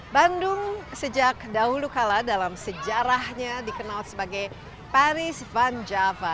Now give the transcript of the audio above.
bandung sejak dahulu kala dalam sejarahnya dikenal sebagai paris van java